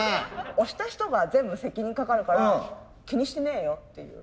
押した人が全部責任かかるから気にしてねえよっていう。